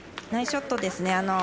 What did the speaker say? ナイスショットですね。